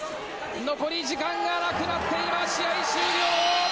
残り時間がなくなって今、試合終了。